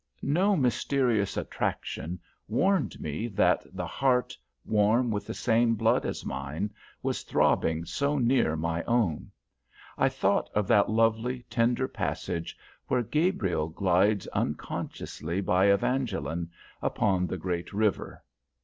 No mysterious attraction warned me that the heart warm with the same blood as mine was throbbing so near my own. I thought of that lovely, tender passage where Gabriel glides unconsciously by Evangeline upon the great river.